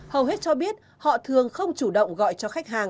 hầu hết cho biết họ thường không chủ động gọi cho khách hàng